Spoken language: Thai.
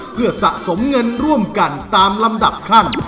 เพื่อสะสมเงินร่วมกันตามลำดับขั้น